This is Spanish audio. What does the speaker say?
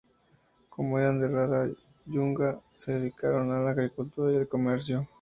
Como eran de raza yunga, se dedicaron a la agricultura y al comercio.